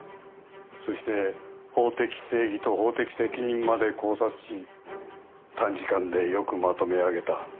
そして法的正義と法的責任まで考察し短時間でよくまとめあげた。